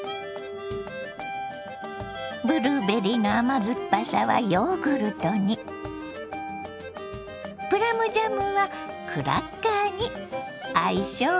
ブルーベリーの甘酸っぱさはヨーグルトにプラムジャムはクラッカーに相性バツグン！